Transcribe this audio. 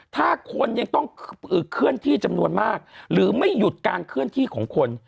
ถ้าคนยังต้องเคลื่อนที่จำนวนมากหรือไม่หยุดการเคลื่อนที่ของคน